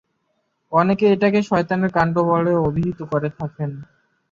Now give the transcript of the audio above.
অনেকে এটাকে শয়তানের কাণ্ড বলে অবিহিত করে থাকেন।